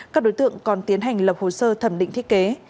các đối tượng còn tiến hành lập hồ sơ thẩm định thiết kế